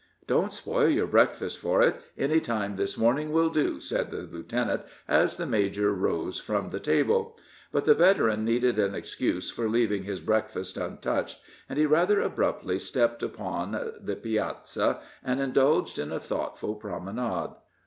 "Don't spoil your breakfast for it; any time this morning will do," said the lieutenant, as the major arose from the table. But the veteran needed an excuse for leaving his breakfast untouched, and he rather abruptly stepped upon, the piazza and indulged in a thoughtful promenade.